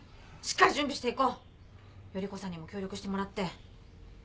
しっかり準備して行こう依子さんにも協力してもらって。